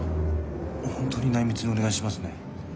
本当に内密にお願いしますね。